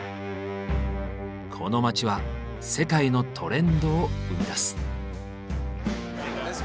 この街は世界のトレンドを生み出す。